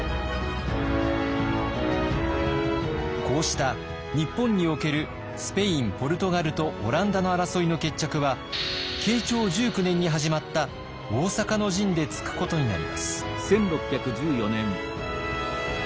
こうした日本におけるスペインポルトガルとオランダの争いの決着は慶長１９年に始まった大坂の陣でつくことになります。